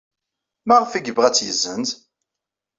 Maɣef ay yebɣa ad tt-yessenz?